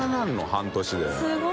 半年で堀）